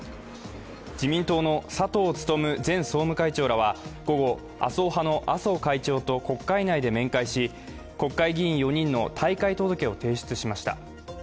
自民党の佐藤勉前総務会長らは午後、麻生派の麻生会長と国家内で面会し、国会議員４人の退会届を提出しました。